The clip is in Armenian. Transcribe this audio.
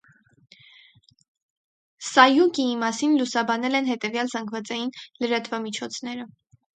Սայուկիի մասին լուսաբանել են հետևյալ զանգվածային լրատվամիջոցները։